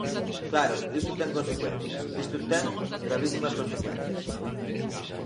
Claro, isto ten consecuencias; isto ten gravísimas consecuencias.